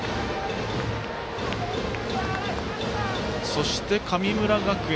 そして、神村学園